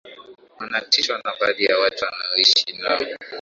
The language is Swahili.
wanatishwa na baadhi ya watu wanaoishi nao